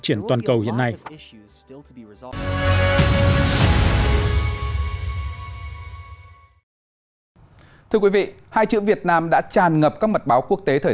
triển toàn cầu hiện nay thưa quý vị hai chữ việt nam đã tràn ngập các mật báo quốc tế thời